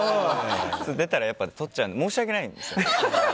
出たら、やっぱとっちゃうので申し訳ないんですよ。